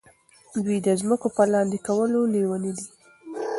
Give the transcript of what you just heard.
دوی د ځمکو په لاندې کولو لیوني دي.